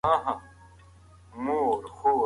مرګ د ګناهکارانو لپاره د وېرې ځای دی.